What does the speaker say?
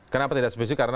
kenapa tidak spesifik